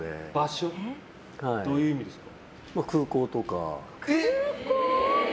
どういう意味ですか？